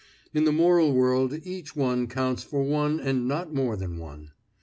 In the moral world each one counts for one and not more than one.